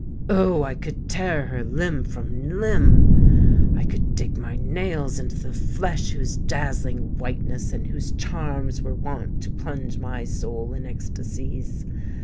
Oh! I could tear her limb from limb: I could dig my nails into the flesh whose dazzling whiteness and whose charms were wont to plunge my soul in ecstacies.